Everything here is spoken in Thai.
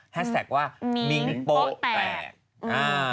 แฮชแท็กว่ามิ้งโปะแปะ